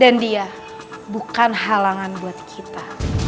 dan dia bukan halangan buat kita